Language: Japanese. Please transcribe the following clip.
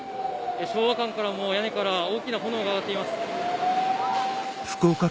昭和館からも屋根から大きな炎が上がっています。